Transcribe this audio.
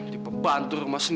tuh tuh tuh